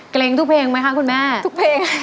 เกร็งทุกเพลงไหมคะคุณแม่ทุกเพลง